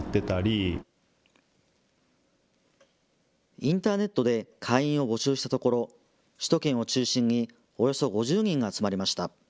インターネットで会員を募集したところ首都圏を中心におよそ５０人が集まりました。